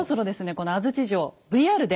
この安土城ＶＲで。